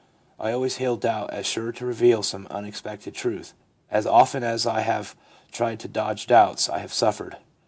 I always hail doubt as sure to reveal some unexpected truth. As often as I have tried to dodge doubts, I have suffered.